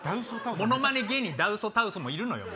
ものまね芸人ダウソタウソもいるのよ。